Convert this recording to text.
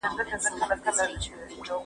حقونه او مسؤلیتونه د یوې سکې دوه مخه دي.